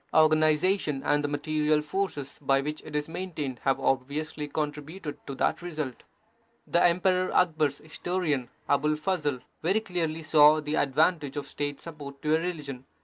Organization and the material forces by which it is main tained have obviously contributed to that result. The Emperor Akbar s historian, Abul Fazl, very clearly saw the advantage of State support to a religion.